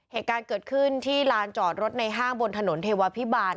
เหตุการณ์เกิดขึ้นที่ลานจอดรถในห้างบนถนนเทวาพิบาล